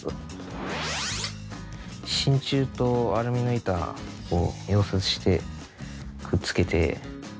真鍮とアルミの板を溶接してくっつけて。